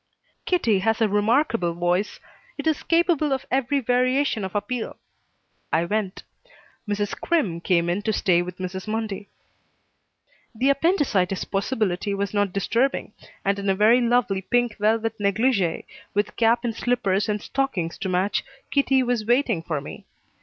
Kitty has a remarkable voice. It is capable of every variation of appeal. I went. Mrs. Crimm came in to stay with Mrs. Mundy. The appendicitis possibility was not disturbing, and in a very lovely pink velvet negligee, with cap and slippers and stockings to match, Kitty was waiting for me.